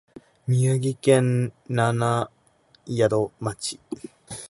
宮城県七ヶ宿町